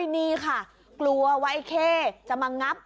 นี่ค่ะกลัวว่าไอ้เข้จะมางับ